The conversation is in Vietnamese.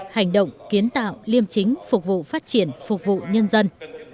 hành động kiến tạo liêm chính phục vụ phát triển phục vụ nhân dân